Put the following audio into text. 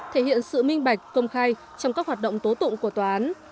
thể hiện sự minh bạch công khai trong các hoạt động tố tụng của tòa án